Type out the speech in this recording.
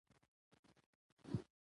د مېلو فضا تل له خوشحالۍ ډکه يي.